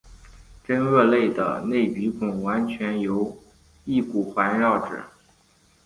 真鳄类的内鼻孔完全由翼骨环绕者。